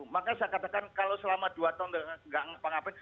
makanya saya katakan kalau selama dua tahun nggak ngapa ngapain